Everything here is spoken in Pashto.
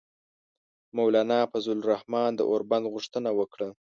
مولانا فضل الرحمان د اوربند غوښتنه وکړه.